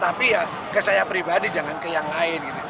tapi ya ke saya pribadi jangan ke yang lain gitu